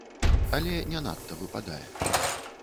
Але не надта выпадае.